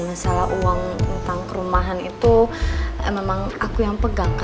masalah uang tentang kerumahan itu memang aku yang pegang